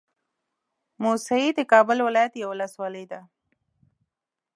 موسهي د کابل ولايت يوه ولسوالۍ ده